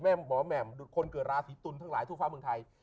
หมอแหม่มหรือคนเกิดราศีตุลทั้งหลายทั่วฟ้าเมืองไทย